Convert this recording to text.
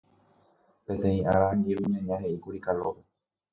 Peteĩ ára angirũ ñaña he'íkuri Kalópe.